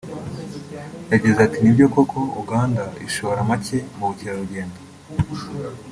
yagize ati “Ni byo ko Uganda ishora make mu bukerarugendo